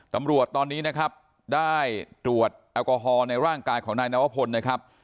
ตำรวจตอนนี้นะครับได้ตรวจแอลกอฮอล์ในร่างกายของนายนวพลนะครับ